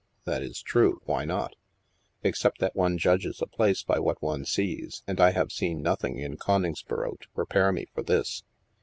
" That is true ; why not ? Except that one judges a place by what one sees, and I have seen nothing in Coningsboro to prepare me for this.